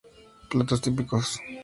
Platos Típicos